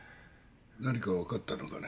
何かわかったのかね？